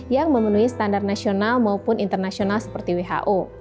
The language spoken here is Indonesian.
yang memenuhi standar nasional maupun internasional seperti who